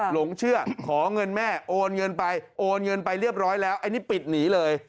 หลงเชื่อขอเงินแม่โอนเงินไปโอนเงินไปเรียบร้อยแล้วอันนี้ปิดหนีเลย